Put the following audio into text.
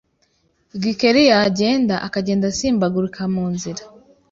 Gikeli yagenda akagenda asimbagurika munzira